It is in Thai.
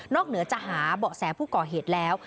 เหนือจะหาเบาะแสผู้ก่อเหตุแล้ว